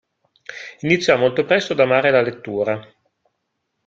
Iniziò molto presto ad amare la lettura.